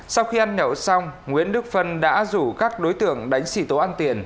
sau khi ăn nhậu xong nguyễn đức phân đã rủ các đối tượng đánh xì tố ăn tiền